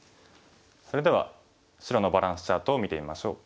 それでは白のバランスチャートを見てみましょう。